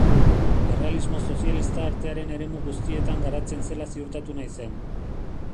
Errealismo sozialista artearen eremu guztietan garatzen zela ziurtatu nahi zen.